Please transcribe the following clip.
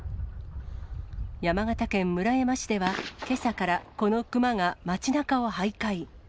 山形県村山市では、けさからこの熊が街なかをはいかい。